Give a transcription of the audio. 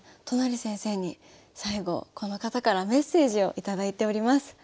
都成先生に最後この方からメッセージを頂いております。